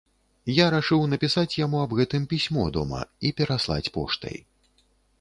Я рашыў напісаць яму аб гэтым пісьмо дома і пераслаць поштай.